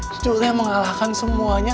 cucu saya mengalahkan semuanya